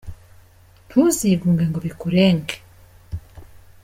Ntuzigunge ngo bikurenge